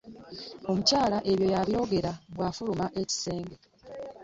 Omukyala ebyo yabyogera bw'afuluma ekisenge.